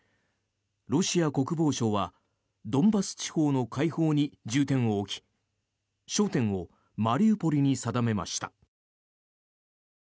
ロシア国防省はドンバス地方の解放に重点を置き焦点をマリウポリに定めました。